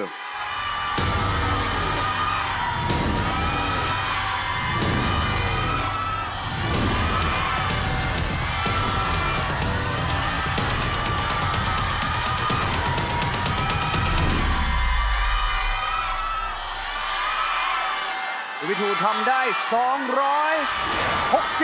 รวมที่สุดตอนนี้ลูกวิทูคือพุธภาพภูมิที่รัก